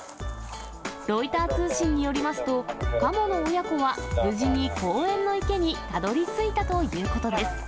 ロイター通信によりますと、カモの親子は、無事に公園の池にたどりついたということです。